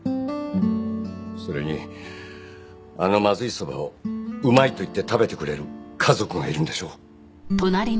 それにあのまずいそばをうまいと言って食べてくれる家族がいるんでしょ？